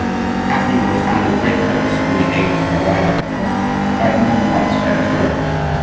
Catherine, who had founded great hopes on the age of her rival, tried more than once to overthrow her.